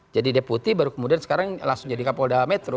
jadi deputi baru kemudian sekarang langsung jadi kapolda metro